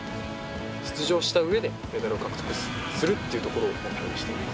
出場したうえでメダルを獲得するということを目標にしています。